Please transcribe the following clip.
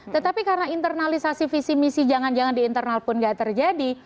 tetapi karena internalisasi visi misi jangan jangan di internal pun gak terjadi